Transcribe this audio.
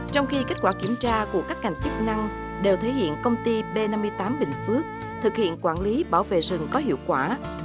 trong khi kết quả kiểm tra của các ngành chức năng đều thể hiện công ty b năm mươi tám bình phước thực hiện quản lý bảo vệ rừng có hiệu quả